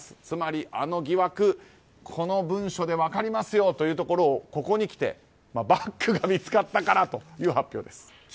つまり、あの疑惑、この文書で分かりますよというところをここにきてバッグが見つかったからだと。